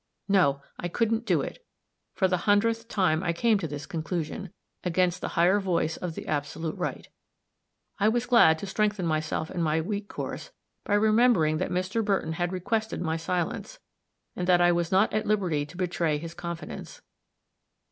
No, I couldn't do it! For the hundredth time I came to this conclusion, against the higher voice of the absolute right. I was glad to strengthen myself in my weak course by remembering that Mr. Burton had requested my silence, and that I was not at liberty to betray his confidence.